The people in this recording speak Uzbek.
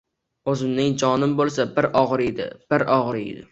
Oʼzimning jonim boʼlsa bir ogʼriydi, bir ogʼriydi!